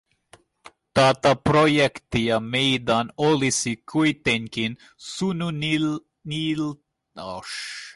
Tätä projektia meidän olisi kuitenkin suunniteltava tarkoin.